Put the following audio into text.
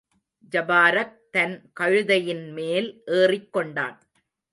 ஜபாரக், தன் கழுதையின்மேல் ஏறிக்கொண்டான்.